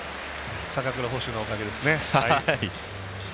坂倉捕手のおかげですね。